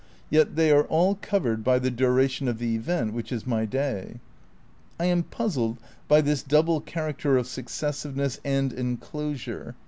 Yet they are all covered by the duration of the event which is my day. I am puzzled by this double character of successiveness and enclo sure.